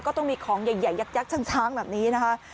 ก็ต้องมีของใหญ่ยักษ์ช้างแบบนี้นะคะ